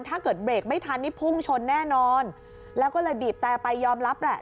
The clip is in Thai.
ถ้าเกิดเบรกไม่ทันนี่พุ่งชนแน่นอนแล้วก็เลยบีบแต่ไปยอมรับแหละ